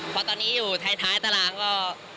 เพราะตอนนี้อยู่ท้ายตารางก็